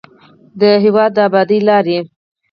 د هېواد د ابادۍ لارې